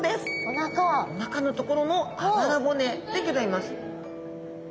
おなかのところのあばら骨でギョざいます。